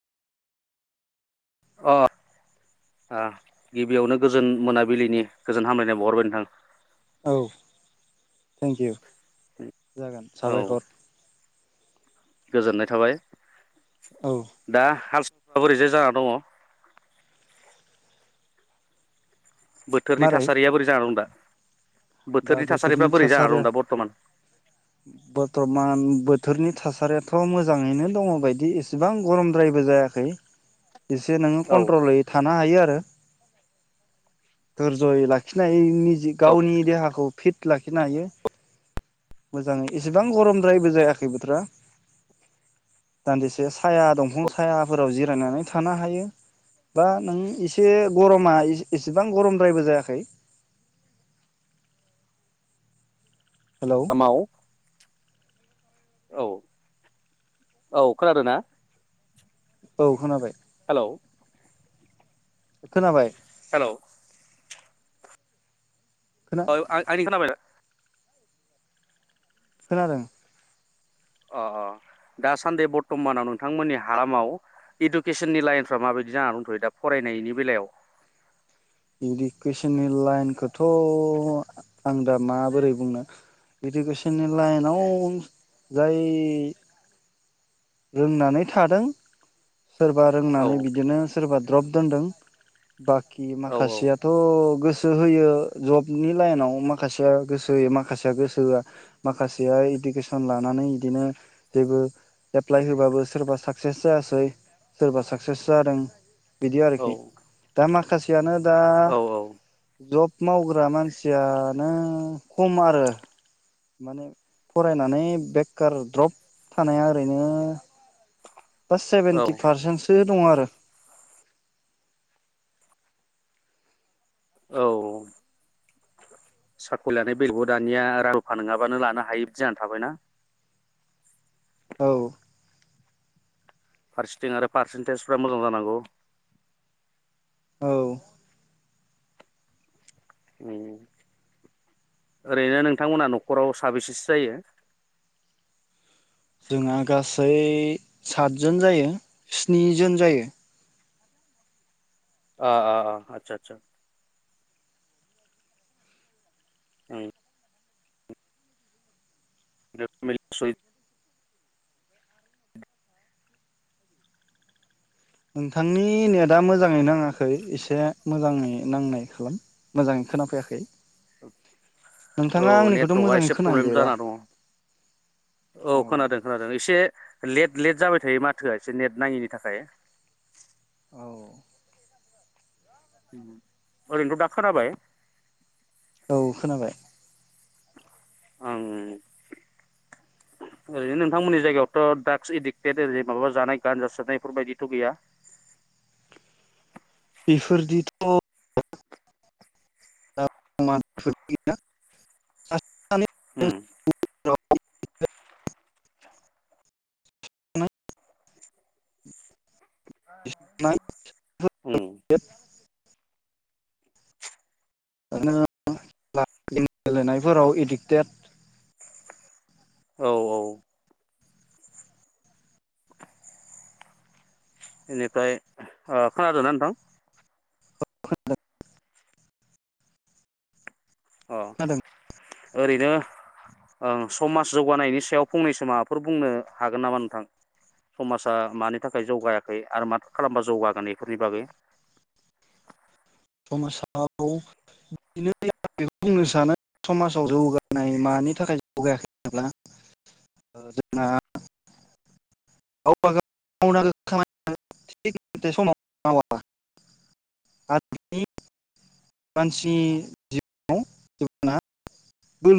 अ ओ गिबियावनो गोजोन मोनाबिलिनि गोजोन हामलायनाय बावहरबाय नोंथां। औ थेंकिउ। जागोन औ साबायखर। गोजोननाय थाबाय। औ दा हास माबोरैजाय जाना दङ। बोथोरनि मारै थासारिया बोरै जानानै दं दा? दा थासारिफ्रा बोथोरनि बोरै जाना दं थासारिया दा बर्थमान बर्थमान बो थोरनि थासारियाथ' मोजाङैनो दङ' बायदि इसेबां गरमद्रायबो जायाखै। इसे नोङो औ कन्ट्रलै थानो हायो आरो। दर्ज'यै लाखिनो हायो निजि औ गावनि देहा खौ फिट लाखिनो हायो मोजाङै एसेबां गरमद्रायबो जायाखै बोथोरा दान्दिसे साया दंफां सायाफोराव जिरायनानै थानो हायो बा नों एसे गरमा ए एसेबां गरमद्रायबो जायाखै। हेलौ आमाव औ औ खोनादों ना? औ खोनाबाय। औ। खोनाबाय? हेलौ। खोना औ आं आंनि खोनाबायदा? खोनादों। अ अ दासान्दि बरथ'मानाव नोंथांमोननि हामाव इडुकेसननि लाइनफ्रा माबायदि जानानै दंथ'यो दा फरायनायनि बेलायाव? इडुकेसननि लाइनखौथ' आं दा माबोरै बुंनो इडुकेसननि लाइनाव जाय रोंनानै थादों सोरबा औ रोंनानै बिदिनो सोरबा द्रब दोनदों बाखि औ माखासेयाथ' गोसो होयो जबनि लाइनाव माखासेया गोसो होयो माखासेया गोसो होआ माखासेया इडुकेसन लानानै इदिनो जेबो एप्लाइ होबाबो सोरबा साक्सेस जायासै सोरबा साक्सेस जादों। बिदि औ आरोखि दा माख माखासेयानो दा औ जब मावग्रा मानसिया नो खम आरो माने फरायनानै बेखार द्रप थानाया ओरैनो बा औ सेबेन्ति फारसेन सो दंङ' आरो। औ। साखरि लानाय बेलायावबो दानिया रां रूफा नंङाबानो लानो हायै बादि जानानै थाबायना औ। फारसेथिं आरो पारसेनटेजफ्रा मोजां जानांगौ। औ। उम ओरैनो नोंथांमोना न'खराव साबेसेसो जायो? जोंहा गासै सातजोन जायो स्निजोन जायो। अ अ आतसा आतसा। उम। [unintelligible] नोंथांनि नेटआ मोजांङै नांङाखै एसे मोजांङै नांनाय खालाम मोजांङै खोनाफैयाखै। औ नोंथाङा आंनिखौथ' नेटवर्कआ मोजाङै एसे प्रब्लेम खोनाहैदो दा जाना दंङ औ खोनादों खोनादों एसे लेट लेट जाबाय थायो माथोआ एसे नेट नांङैनि थाखाय औ उम ओरैनोथ' दा खोनाबाय औ खोनाबाय आं ओरैनो नोंथांमोननि जायगायावथ' ड्राग्स एडिक्टेड ओरै माबा जानाय गानजा सोबनाय बेफोरबायदिथ' गैया बेफोरदिथ' [unintelligible] उम [unintelligible] उम [unintelligible] [unintelligible] खेला गेलेनायफोराव एडिक्टेड औ औ बेनिफ्राय ओ खोनादोंना नोंथां [unintelligible] अ ओरैनो ओ समाज जौगानायनि सायाव फंनैसो माबाफोर बुंनो हागोन नामा नोंथां समाजा मानि थाखाय जौगायाखै आपो मा खालामबा जौगागोन बेफोरनि बागै। समाजाव बिदिनो आं बेखौ बुंनो सानो समाजाव जौगानाय मानि थाखाय जौगायाखै होनोब्ला जोंना गावबा गाव मावनांगो खामानि [unintelligible] [unintelligible] बोलो